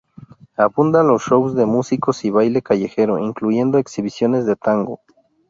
Abundan los shows de músicos y baile callejero, incluyendo exhibiciones de tango.